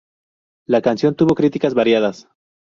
La canción tuvo críticas variadas.